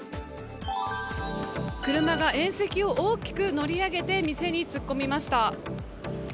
車が縁石を大きく乗り上げて店に突っ込みました。